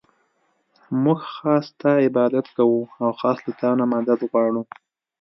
مونږ خاص ستا عبادت كوو او خاص له تا نه مدد غواړو.